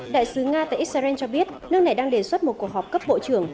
đại sứ nga tại israel cho biết nước này đang đề xuất một cuộc họp cấp bộ trưởng